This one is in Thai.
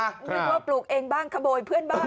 อย่างงี้ว่าปลูกเองบ้างคโบยเพื่อนบ้าง